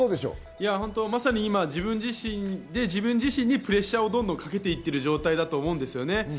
今まさに自分自身で自分自身にプレッシャーをかけて行ってる状態だと思うんですよね。